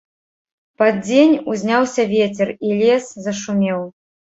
Пад дзень узняўся вецер, і лес зашумеў.